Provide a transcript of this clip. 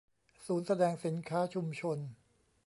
ศูนย์แสดงสินค้าชุมชน